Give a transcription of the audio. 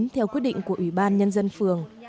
theo quyết định của ủy ban nhân dân phường